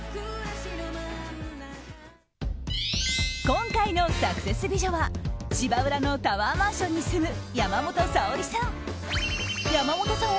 今回のサクセス美女は芝浦のタワーマンションに住む山本早織さん。